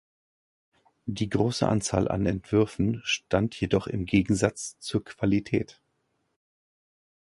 Die große Anzahl an Entwürfen stand jedoch im Gegensatz zur Qualität.